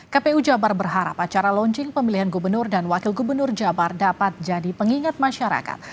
kpu jabar berharap acara launching pemilihan gubernur dan wakil gubernur jabar dapat jadi pengingat masyarakat